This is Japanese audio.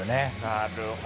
なるほど。